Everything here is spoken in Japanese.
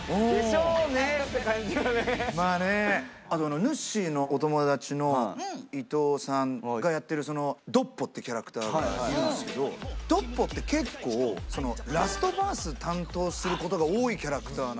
あのぬっしーのお友達の伊東さんがやってるその独歩ってキャラクターがいるんですけど独歩って結構ラストバース担当することが多いキャラクターなんですよ。